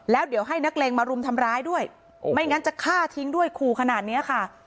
แล้วเดี๋ยวให้นักเลงมารุมทำร้ายด้วยไม่งั้นจะฆ่าทิ้งด้วยขู่ขนาดเนี้ยค่ะ